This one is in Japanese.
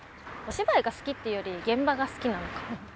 お芝居が好きっていうより現場が好きなのかも。